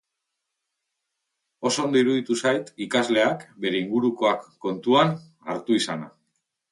Oso ondo iruditu zait ikasleak bere ingurukoak kontuan hartu izana.